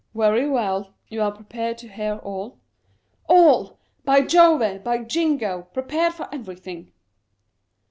" Very well ; you are prepared to hear all ?"" All ! by Jove ! by Jingo ! prepared for every thing."